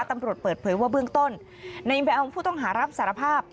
ตำรวจเปิดเผยว่าเบื้องต้นในแววผู้ต้องหารับสารภาพ